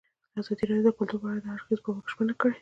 ازادي راډیو د کلتور په اړه د هر اړخیز پوښښ ژمنه کړې.